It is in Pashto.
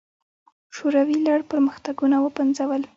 شوروي لړ پرمختګونه وپنځول.